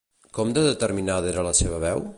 Com de determinada era la seva veu?